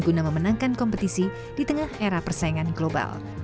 guna memenangkan kompetisi di tengah era persaingan global